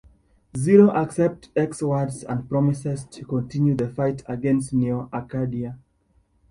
Zero accepts X's words and promises to continue the fight against Neo Arcadia.